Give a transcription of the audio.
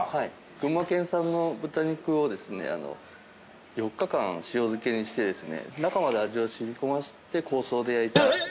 群馬県産の豚肉を４日間塩漬けにしてですね中まで味を染み込ませて香草で焼いた。